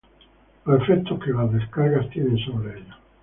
los efectos que las descargas tienen sobre ellos